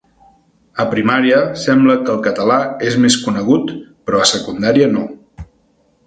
A primària sembla que el català és més conegut, però a secundària no.